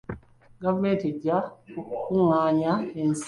Gavumenti ejja kukungaanya ensmbi?